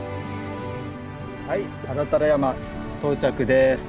はい安達太良山到着です。